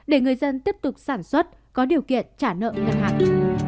để người dân tiếp tục sản xuất có điều kiện trả nợ ngân hàng